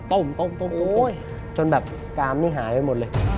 ต้มจนแบบกามนี่หายไปหมดเลย